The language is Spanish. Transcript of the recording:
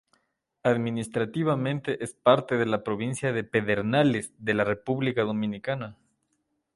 Administrativamente, es parte de la provincia de Pedernales de la República Dominicana.